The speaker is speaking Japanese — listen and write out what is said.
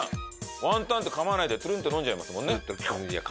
ワンタンってかまないでツルンって飲んじゃいますもんね。